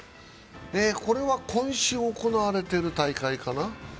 これは今週行われてる大会かな。